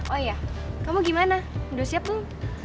oh iya kamu gimana udah siap belum